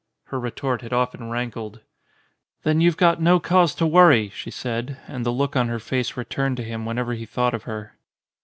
Her retort had often rankled. "Then you've got no cause to worry," she said, and the look on her face returned to him when ever he thought of her.